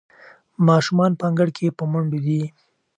ماشومان په انګړ کې په منډو دي.